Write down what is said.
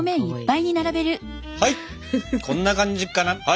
はいこんな感じかな。